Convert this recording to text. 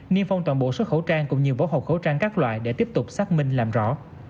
niêm phong toàn bộ xuất khẩu trang cũng như bỏ hộp khẩu trang các loại để tiếp tục xác minh làm rõ